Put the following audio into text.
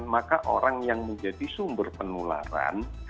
maka orang yang menjadi sumber penularan